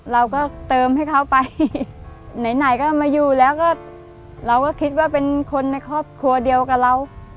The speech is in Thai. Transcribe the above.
เราก็เติมให้เขาไปไหนก็มาอยู่แล้วก็เราก็คิดว่าเป็นคนในครอบครัวเดียวกับเรา